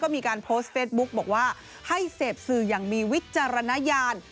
มีการโพสต์เฟสบุ๊กบอกว่าให้เสพสื่ออย่างมีวิจารณญาณ